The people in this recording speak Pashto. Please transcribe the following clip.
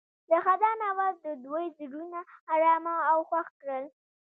د خزان اواز د دوی زړونه ارامه او خوښ کړل.